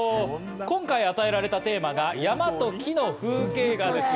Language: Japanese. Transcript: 今回、与えられたテーマが山と木の風景画です。